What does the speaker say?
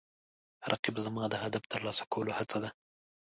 رقیب زما د هدف ترلاسه کولو هڅه ده